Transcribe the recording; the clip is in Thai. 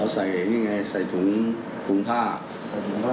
เอาใส่นี่ไงใส่ถุงอุ้มฆ่า